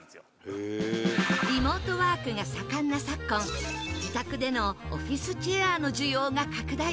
リモートワークが盛んな昨今自宅でのオフィスチェアの需要が拡大。